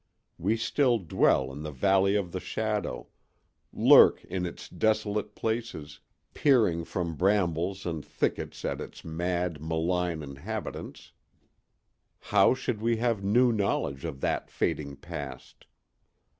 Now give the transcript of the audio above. We still dwell in the Valley of the Shadow, lurk in its desolate places, peering from brambles and thickets at its mad, malign inhabitants. How should we have new knowledge of that fading past?